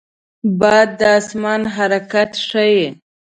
باد د آسمان حرکت ښيي